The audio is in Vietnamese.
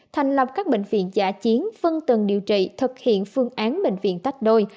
thành lập các bệnh viện giả chiến phân tần điều trị thực hiện phương án bệnh viện tách đôi